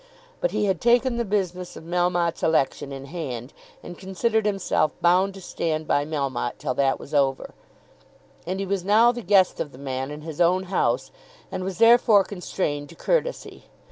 But he had taken the business of Melmotte's election in hand, and considered himself bound to stand by Melmotte till that was over; and he was now the guest of the man in his own house, and was therefore constrained to courtesy.